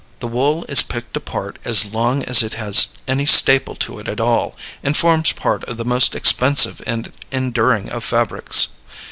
The wool is picked apart as long as it has any staple to it at all, and forms part of the most expensive and enduring of fabrics.